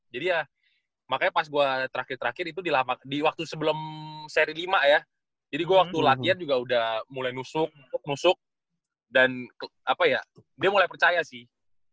jadi ya makanya pas gua terakhir terakhir itu di waktu sebelum seri lima ya jadi gua waktu latihan juga udah mulai nusuk nusuk dan apa ya dia mulai percaya sih